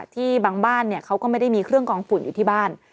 ที่บางบ้านเขาก็ไม่ได้มีเครื่องกองฝุ่นอยู่ที่บ้าน